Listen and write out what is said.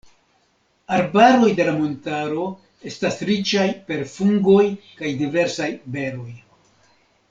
Arbaroj de la montaro estas riĉaj per fungoj kaj diversaj beroj.